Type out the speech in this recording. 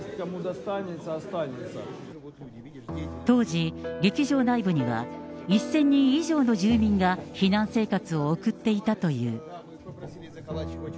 当時、劇場内部には、１０００人以上の住民が避難生活を送っていたという。